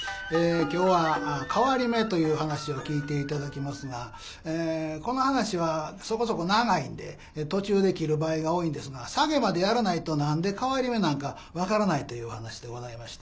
今日は「替り目」という噺を聴いていただきますがこの噺はそこそこ長いんで途中で切る場合が多いんですがサゲまでやらないと何で替り目なんか分からないというお噺でございまして。